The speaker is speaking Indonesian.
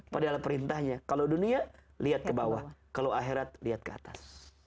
padahal perintahnya kalau dunia lihat ke bawah kalau akhirat lihat ke atas